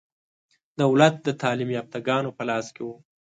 دولت د تعلیم یافته ګانو په لاس کې و.